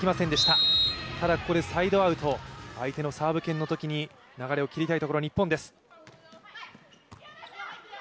ただ、ここでサイドアウト、相手のサーブ権のときに流れを切りたいところです。